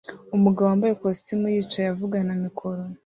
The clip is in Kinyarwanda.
Umugabo wambaye ikositimu yicaye avugana na mikoro